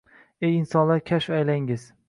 Ey insonlar, kashf aylangiz